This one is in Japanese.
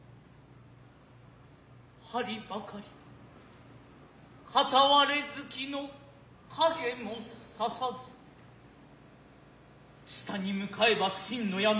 針ばかり片割月の影もささず下に向へば真の暗黒。